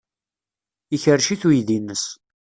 Ikerrec-it uydi-nnes.